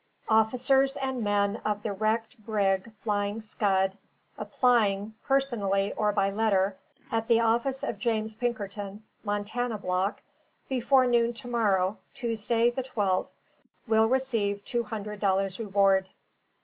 OFFICERS AND MEN OF THE WRECKED BRIG FLYING SCUD APPLYING, PERSONALLY OR BY LETTER, AT THE OFFICE OF JAMES PINKERTON, MONTANA BLOCK, BEFORE NOON TO MORROW, TUESDAY, 12TH, WILL RECEIVE TWO HUNDRED DOLLARS REWARD.